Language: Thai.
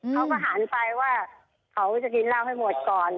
เขาก็หันไปว่าเขาจะกินเหล้าให้หมดก่อน